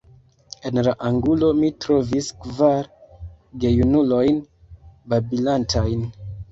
En la angulo mi trovis kvar gejunulojn babilantajn.